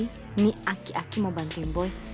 ini aki aki mau bantuin boy